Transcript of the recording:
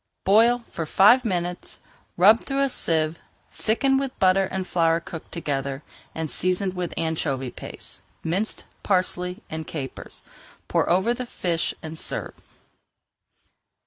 Boil for five minutes, rub through a sieve, thicken with butter and flour cooked together, season with anchovy paste, minced parsley, and capers. Pour over the fish and serve.